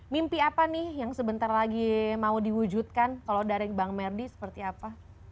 mimpi apa nih yang sebentar lagi mau diwujudkan kalau dari bang merdi seperti apa